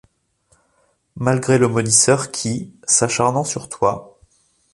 Malgré le maudisseur qui, s'acharnant sur toi